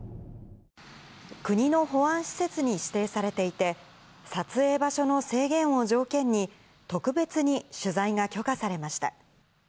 国の保安施設に指定されていて、撮影場所の制限を条件に、特別に取材が許可されました。